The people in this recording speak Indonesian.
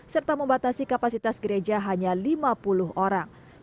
serta membatasi kapasitas gereja hanya lima puluh orang